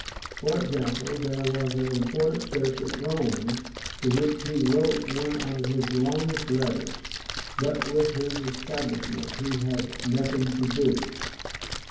For example, there was an important church at Rome to which he wrote one of his longest letters but with whose establishment he had had nothing to do.